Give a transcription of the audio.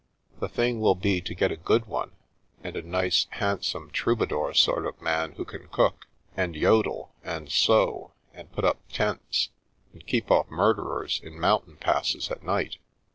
The thing will be to get a good one, and a nice, handsome, troubadour sort of man who can cook, and jodel, and sew, and put up tents, and keep off murderers in mountain passes at night.